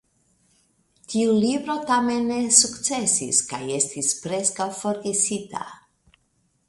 Tiu libro tamen ne sukcesis kaj estis preskaŭ forgesita.